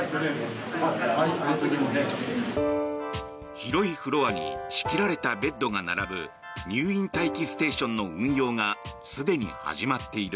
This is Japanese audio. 広いフロアに仕切られたベッドが並ぶ入院待機ステーションの運用がすでに始まっている。